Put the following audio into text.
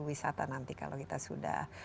wisata nanti kalau kita sudah